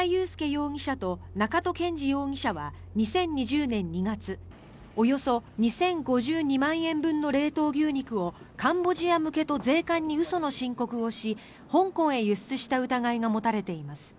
容疑者と中戸賢治容疑者は２０２０年２月およそ２０５２万円分の冷凍牛肉をカンボジア向けと税関に嘘の申告をし香港へ輸出した疑いが持たれています。